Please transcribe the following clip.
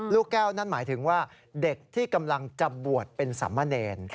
ลูกแก้วนั่นหมายถึงว่าเด็กที่กำลังจะบวชเป็นสามเณร